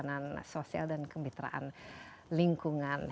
pembangunan sosial dan kemitraan lingkungan